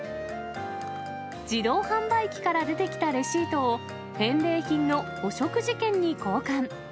自動販売機から出てきたレシートを、返礼品の御食事券に交換。